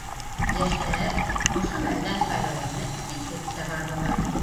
Йәштәр ошо мәлдән файҙаланып китеп тә барҙылар.